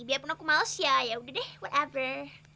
biarpun aku males ya yaudah deh whatever